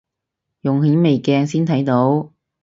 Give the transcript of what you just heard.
用顯微鏡先睇到